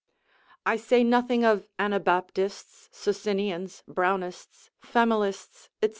I say nothing of Anabaptists, Socinians, Brownists, Familists, &c.